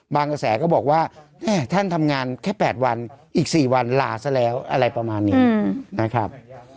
กระแสก็บอกว่าท่านทำงานแค่๘วันอีก๔วันลาซะแล้วอะไรประมาณนี้นะครับ